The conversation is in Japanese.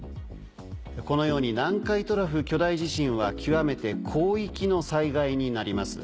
このように南海トラフ巨大地震は極めて広域の災害になります。